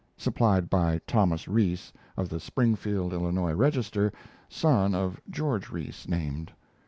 [Supplied by Thomas Rees, of the Springfield (Illinois) Register, son of George Rees named.